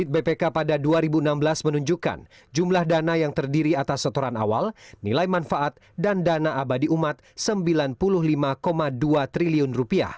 bpk pada dua ribu enam belas menunjukkan jumlah dana yang terdiri atas setoran awal nilai manfaat dan dana abadi umat rp sembilan puluh lima dua triliun